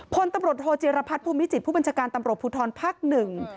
พลตำรวจโทจิรพัฒน์ภูมิจิตผู้บัญชาการตำรวจภูทรภักดิ์หนึ่ง